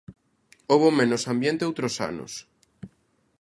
Houbo menos ambiente outros anos.